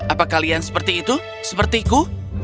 apa kalian seperti itu sepertiku